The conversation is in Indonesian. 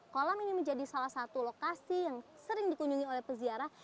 kolam ini menjadi salah satu lokasi yang sering dikunjungi oleh peziarah